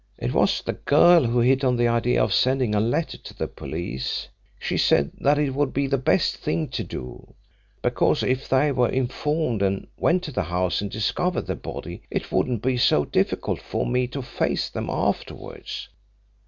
"It was the girl who hit on the idea of sending a letter to the police. She said that it would be the best thing to do, because if they were informed and went to the house and discovered the body it wouldn't be so difficult for me to face them afterwards.